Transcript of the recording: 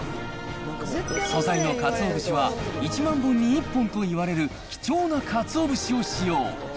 素材のかつお節は、１万本に１本といわれる貴重なかつお節を使用。